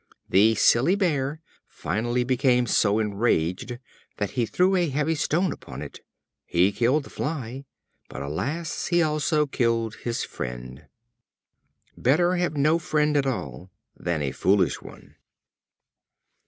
The silly Bear finally became so enraged that he threw a heavy stone upon it. He killed the fly, but, alas! he also killed his friend. Better have no friend at all than a foolish one.